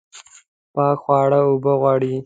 پاک خواړه اوبه غواړم